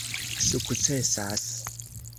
sukcesas